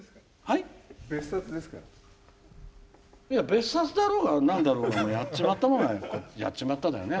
いや「別冊」だろうが何だろうがやっちまったもんはやっちまっただよね。